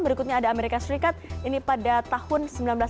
berikutnya ada amerika serikat ini pada tahun seribu sembilan ratus sembilan puluh